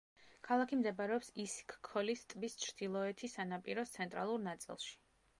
ქალაქი მდებარეობს ისიქ-ქოლის ტბის ჩრდილოეთი სანაპიროს ცენტრალურ ნაწილში.